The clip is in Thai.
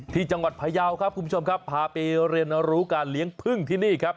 ที่จังหวัดพยาวครับคุณผู้ชมครับพาไปเรียนรู้การเลี้ยงพึ่งที่นี่ครับ